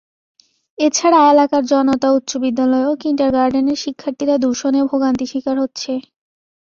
এ ছাড়া এলাকার জনতা উচ্চবিদ্যালয় ও কিন্ডারগার্টেনের শিক্ষার্থীরা দূষণে ভোগান্তি শিকার হচ্ছে।